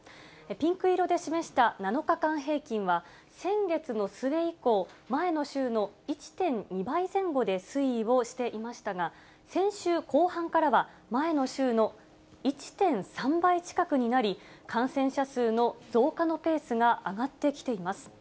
ピンク色で示した７日間平均は、先月の末以降、前の週の１．２倍前後で推移をしていましたが、先週後半からは、前の週の１．３倍近くになり、感染者数の増加のペースが上がってきています。